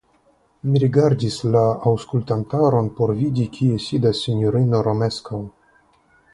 Mi rigardis la aŭskultantaron por vidi, kie sidas sinjorino Romeskaŭ.